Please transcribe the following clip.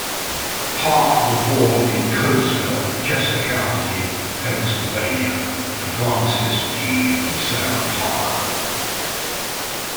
Parke was born in Coatesville, Chester County, Pennsylvania, to Francis G. and Sarah Parke.